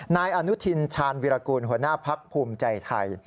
นายอนุทินชาญวิรากูลหัวหน้าพักภูมิใจไทย